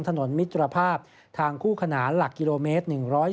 ถนนมิตรภาพทางคู่ขนานหลักกิโลเมตร๑๒